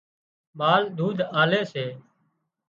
مال ۮُوڌ آلي سي